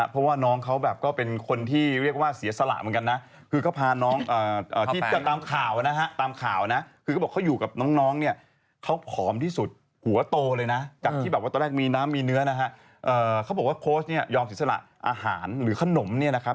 อ๋อจากในโซเชียลเปล่าเอาเงินมาจากไหน